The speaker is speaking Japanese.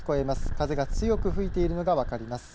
風が強く吹いているのが分かります。